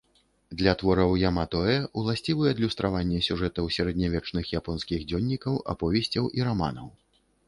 Для твораў ямато-э уласцівы адлюстраванне сюжэтаў сярэднявечных японскіх дзённікаў, аповесцяў і раманаў.